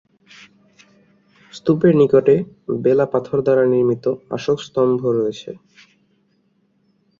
স্তূপের নিকটে বেলেপাথর দ্বারা নির্মিত অশোক স্তম্ভ রয়েছে।